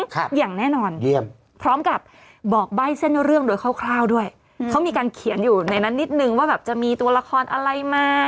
ครับอย่างแน่นอนเยี่ยมพร้อมกับบอกใบ้เส้นเรื่องโดยคร่าวคร่าวด้วยอืมเขามีการเขียนอยู่ในนั้นนิดนึงว่าแบบจะมีตัวละครอะไรมา